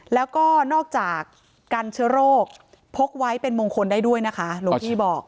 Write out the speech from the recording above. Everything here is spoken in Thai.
แล้วก็นอกจากกันเชื้อโรคพกไว้เป็นมงคลได้ด้วยนะคะหลวงพี่บอก